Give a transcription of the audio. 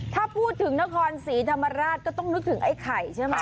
ถ้าพูดถึงนครศรีธรรมราชก็ต้องนึกถึงไอ้ไข่ใช่ไหม